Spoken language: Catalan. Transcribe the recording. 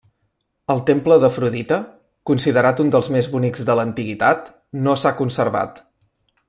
El temple d'Afrodita, considerat un dels més bonics de l'antiguitat, no s'ha conservat.